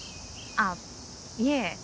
あっいえ。